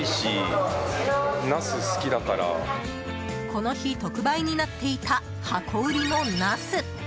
この日特売になっていた箱売りのナス。